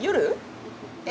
え？